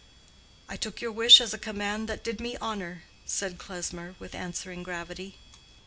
"I took your wish as a command that did me honor," said Klesmer, with answering gravity.